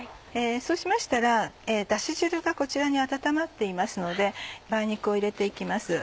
そうしましたらだし汁がこちらに温まっていますので梅肉を入れて行きます。